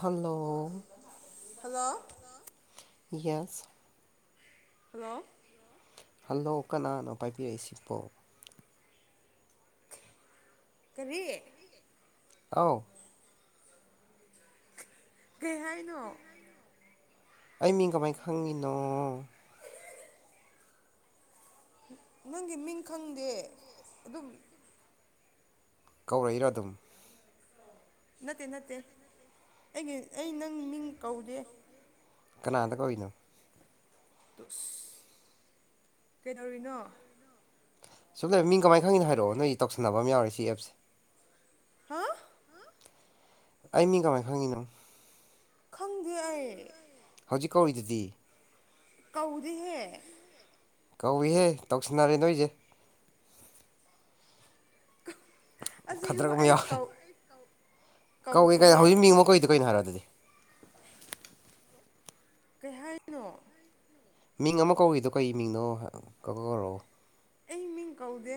hello hello yes hello hello ꯀꯅꯥꯅꯣ ꯄꯥꯏꯕꯤꯔꯛꯏꯁꯤꯕꯣ ꯀꯔꯤ ꯑꯥꯎ ꯀꯩ ꯍꯥꯏꯅꯣ ꯑꯩ ꯃꯤꯡ ꯀꯃꯥꯏ ꯈꯪꯉꯤꯅꯣ ꯅꯪꯒꯤ ꯃꯤꯡ ꯈꯪꯗꯦ ꯑꯗꯨꯝ ꯀꯧꯔꯛꯏꯔꯥ ꯑꯗꯨꯝ ꯅꯠꯇꯦ ꯅꯠꯇꯦ ꯑꯩꯒꯤ ꯑꯩ ꯅꯪ ꯃꯤ ꯀꯧꯗꯦ ꯀꯅꯥꯗ ꯀꯧꯏꯅꯣ ꯇꯨꯁ ꯀꯩꯗꯧꯔꯤꯅꯣ ꯁꯨꯝ ꯂꯩꯔꯝ ꯃꯤꯡ ꯀꯃꯥꯏ ꯈꯪꯉꯤꯅꯣ ꯍꯥꯏꯔꯛꯑꯣ ꯅꯣꯏ ꯇꯧꯁꯟꯅꯕ ꯑꯃ ꯌꯥꯎꯔꯦ ꯁꯤ ꯑꯦꯞꯁꯦ ꯍꯥ ꯑꯩ ꯃꯤ ꯀꯃꯥꯏ ꯈꯪꯉꯤꯅꯣ ꯈꯪꯗꯦ ꯑꯩ ꯍꯧꯖꯤꯛ ꯀꯧꯔꯤꯗꯨꯗꯤ ꯀꯧꯗꯦꯍꯦ ꯀꯧꯏꯍꯦ ꯇꯧꯁꯤꯟꯅꯔꯦ ꯅꯣꯏꯖꯦ ꯈꯗꯔꯛ ꯑꯁꯦꯡꯕ ꯑꯃ ꯑꯩ ꯌꯥꯎꯔꯦ ꯀꯧ ꯀꯧꯏ ꯀꯥꯏ ꯀꯧꯗꯦ ꯍꯧꯖꯤꯛ ꯃꯤꯡ ꯑꯃ ꯀꯧꯏꯗ ꯀꯩꯅꯣ ꯍꯥꯏꯔꯛꯑꯣ ꯑꯗꯨꯗꯤ ꯀꯩ ꯍꯥꯏꯅꯣ ꯃꯤꯡ ꯑꯃ ꯀꯧꯔꯤꯗꯣ ꯀꯩ ꯃꯤꯡꯅꯣ ꯍ ꯀ ꯀꯧꯔꯛꯑꯣ ꯑꯩ ꯃꯤꯡ ꯀꯧꯗꯦ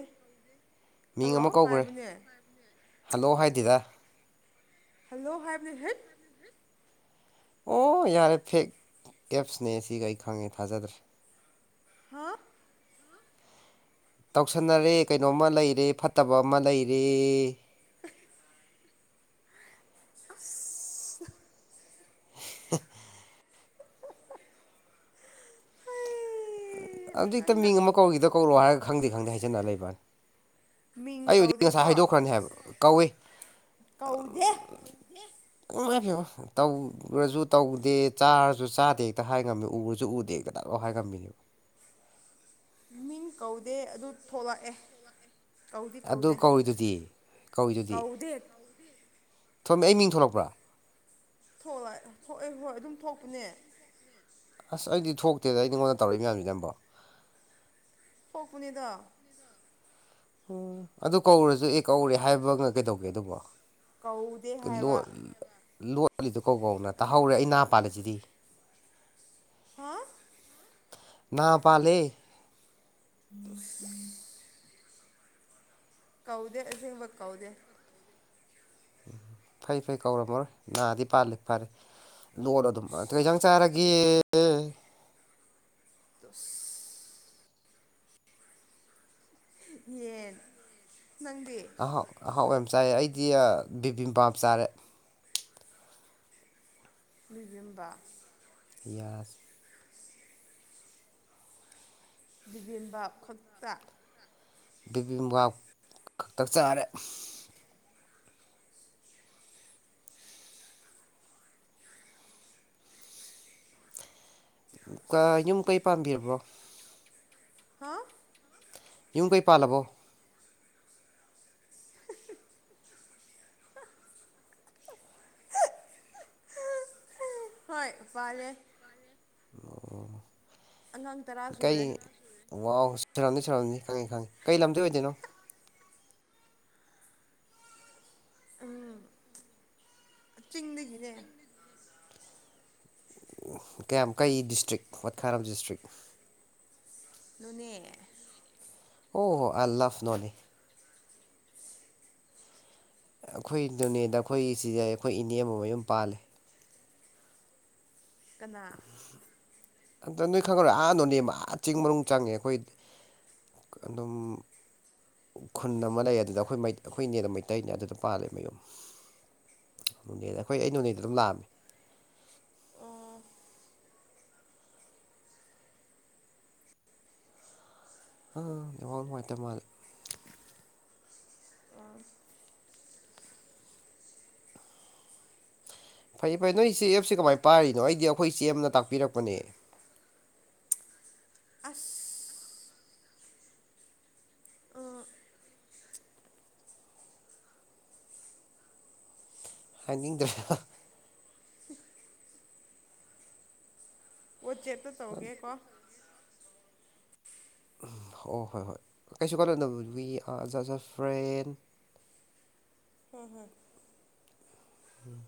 ꯃꯤꯡ ꯍꯜꯂꯣ ꯑꯃ ꯀꯧꯈ꯭ꯔꯦ ꯍꯥꯏꯕꯅꯦ ꯍꯜꯂꯣ ꯍꯥꯏꯗꯦꯗ ꯍꯜꯂꯣ ꯍꯥꯏꯕꯅꯤ ꯍꯦꯠ ꯑꯣ ꯌꯥꯔꯦ ꯐꯦꯛ ꯑꯦꯞꯁꯅꯦ ꯁꯤꯒ ꯑꯩ ꯈꯪꯉꯦ ꯊꯥꯖꯗ꯭ꯔꯦ ꯍꯥ ꯇꯧꯁꯟꯅꯔꯦ ꯀꯩꯅꯣꯝꯃ ꯂꯩꯔꯦ ꯐꯠꯇꯕ ꯑꯃ ꯂꯩꯔꯦ ꯑꯁ ꯑꯥ ꯍ [unintelligible] ꯍꯩ ꯑꯗꯨ ꯍꯦꯛꯇ ꯅꯪꯅ ꯃꯤꯡ ꯑꯃ ꯀꯧꯈꯤꯗꯣ ꯀꯧꯔꯣ ꯍꯥꯏꯔꯒ ꯈꯪꯗꯦ ꯈꯪꯗꯦ ꯍꯥꯏꯖꯤꯅꯔ ꯂꯩꯕꯋꯥꯅꯤ ꯃꯤꯡ ꯑꯩꯕꯨꯗꯤ ꯉꯁꯥꯏ ꯀꯧꯗꯦꯀꯣ ꯍꯥꯏꯗꯣꯛꯈ꯭ꯔꯅꯤ ꯍꯥꯏꯕ ꯀꯧꯏ ꯀꯧꯗꯦ ꯑꯝꯝ ꯏꯃꯥꯏꯄꯦꯃꯥ ꯇꯧ ꯔꯖꯨ ꯇꯧꯗꯦ ꯆꯥꯔꯖꯨ ꯆꯥꯗꯦ ꯍꯦꯛꯇ ꯍꯥꯏ ꯉꯝꯃꯦ ꯎꯔꯖꯨ ꯎꯗꯦ ꯇꯗꯥꯏ ꯇꯛ ꯂꯥꯎ ꯍꯥꯏ ꯉꯝꯕꯤꯅꯦꯕ ꯃꯤꯟ ꯀꯧꯗꯦ ꯑꯗꯨ ꯊꯣꯛꯂꯛꯑꯦ ꯀꯧꯗꯤ ꯑꯗꯨ ꯀꯧꯗꯦ ꯀꯧꯏꯗꯨꯗꯤ ꯀꯧꯏꯗꯨꯗꯤ ꯀꯧꯗꯦ ꯊꯣꯝꯃꯦ ꯑꯩ ꯃꯤꯡ ꯊꯣꯂꯛꯄ꯭ꯔꯥ ꯊꯣꯛꯂ ꯊꯣꯛꯑꯦ ꯍꯣꯏ ꯑꯗꯨꯝ ꯊꯣꯛꯄꯅꯦ ꯑꯁ ꯑꯩꯗꯤ ꯊꯣꯛꯇꯦꯗ ꯑꯩ ꯅꯉꯣꯟꯗ ꯇꯧꯔꯛꯏ ꯃꯌꯥꯝꯁꯤ ꯅꯪꯝꯕꯣ ꯍꯛꯅꯤꯗ ꯎ ꯑꯗꯨ ꯀꯧꯔꯁꯨ ꯑꯦ ꯀꯧꯔꯦ ꯍꯥꯏꯕꯒ ꯀꯩꯗꯧꯒꯦ ꯑꯗꯨꯕꯣ ꯀꯧꯗꯦ ꯍꯥꯏꯕ ꯀꯂꯔ ꯂꯣꯠꯂꯤꯗꯨ ꯀꯧꯕꯧꯅ ꯇꯥꯍꯧꯔꯦ ꯑꯩ ꯍ ꯄꯥꯜꯂꯁꯤꯗꯤ ꯍꯥ ꯅꯥ ꯄꯥꯦ ꯑꯐ ꯀꯧꯗ ꯑꯁꯕ ꯀꯎꯗ ꯎꯝ ꯐꯩ ꯐꯩ ꯀꯧꯔꯝꯃꯔꯣꯏ ꯅꯥꯗꯤ ꯄꯥꯜꯂꯤ ꯐꯔꯦ ꯂꯣꯠ ꯑꯗꯨꯝ ꯇꯨꯁ ꯀꯖꯥꯡ ꯆꯥꯔꯒꯦ ꯒꯤ ꯗꯁ ꯌꯦꯠ ꯑꯍꯥꯎ ꯑꯍꯥꯎꯕ ꯆꯥꯏ ꯑꯩꯗꯤ ꯕꯤꯕꯤꯝ ꯄꯥꯝ ꯆꯥꯔꯦ ꯃꯤꯒꯦꯝꯕ ꯄꯤꯌꯥꯁ ꯕꯤꯚꯦꯟꯕ ꯈꯛꯇ ꯕꯤꯦꯕꯤ ꯃꯕꯥ ꯈꯛꯇꯛ ꯆꯥꯔꯦ ꯌꯨꯝ ꯀꯩ ꯄꯥꯝꯕꯤꯔꯕ꯭ꯔꯣ ꯍꯥ ꯌꯨꯝ ꯀꯩ ꯄꯥꯜꯂꯕꯣ ꯐꯂꯦ ꯇꯔꯥ ꯀꯩ ꯁꯨꯔꯦ ꯋꯥ ꯁꯔꯥꯎꯅꯤ ꯁꯔꯝꯅꯤ ꯈꯪꯉꯤ ꯈꯪꯉꯤ ꯀꯩ ꯂꯝꯗꯤ ꯑꯣꯏꯗꯣꯏꯅꯣ ꯎꯝ ꯆꯤꯡꯗꯒꯤꯅꯦ ꯀꯌꯥꯝ ꯀꯩ ꯗꯤꯁꯇ꯭ꯔꯤꯛ ꯋꯥꯠꯈꯥꯔꯝ ꯗꯤꯁꯇ꯭ꯔꯤꯛ ꯅꯨꯅꯦ ꯑꯣ ꯍꯣ ꯑꯜ ꯐꯅꯣꯅꯦ ꯑꯩꯈꯣꯏ ꯅꯣꯅꯦꯗ ꯑꯩꯈꯣꯏꯒꯤ ꯁꯤꯗ ꯑꯩꯈꯣꯏ ꯏꯅꯦ ꯑꯃꯌꯨꯝ ꯄꯥꯜꯂꯤꯦ ꯀꯅꯥ ꯑꯝꯇ ꯅꯣꯏ ꯈꯪꯈꯔꯣꯏ ꯑꯥꯗꯣꯅꯦꯦꯝ ꯃꯥ ꯆꯤꯡ ꯃꯔ ꯆꯪꯉꯦ ꯑꯩꯈꯣꯏ ꯑꯗꯨꯝ ꯈꯨꯟ ꯑꯃ ꯂꯩ ꯑꯗꯨꯗ ꯑꯩꯈꯣꯏ ꯑꯩꯈꯣꯏ ꯏꯅꯦꯅ ꯃꯩꯇꯩꯅꯦ ꯑꯗꯨꯗ ꯄꯥꯜꯂꯦ ꯃꯌꯨꯝ ꯅꯦ ꯑꯩꯈꯣꯏ ꯑꯩ ꯅꯣꯅꯦꯗ ꯑꯗꯨꯝ ꯂꯥꯛꯑꯝꯃꯤ ꯑꯣ ꯑꯥ ꯌꯥꯝꯋꯥꯡ ꯅꯨꯡꯉꯥꯏꯇꯦ ꯃꯥꯂꯦ ꯑ ꯐꯩ ꯐꯩ ꯅꯣꯏ ꯁꯤꯦ ꯑꯦꯞꯁꯦ ꯀꯃꯥꯏꯅ ꯄꯥꯔꯤꯅꯣ ꯑꯩꯗꯤ ꯑꯩꯈꯣꯏ ꯏ ꯆꯦꯅ ꯇꯥꯛꯄꯤꯔꯛꯄꯅꯦ [inaudible] ꯑꯁ ꯑ ꯍꯥꯏꯅꯤꯡꯗ꯭ꯔꯦ ꯑꯣ ꯆꯦꯠꯇ ꯇꯧꯒꯦ ꯀꯣ ꯑꯣ ꯍꯣꯏ ꯍꯣꯏ ꯀꯩꯁꯨ ꯀꯥꯟꯗꯗꯅꯕ we are just a friend [inaudible] ꯍ ꯍꯝ ꯎꯝ